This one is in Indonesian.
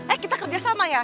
eh kita kerja sama ya